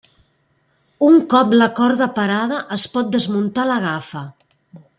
Un cop la corda parada es pot desmuntar la gafa.